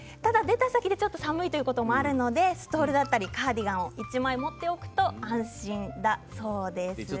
出た先で寒いということがあるのでストールやカーディガンを１枚持っておくと安心だそうです。